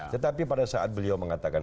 tetapi pada saat beliau mengatakan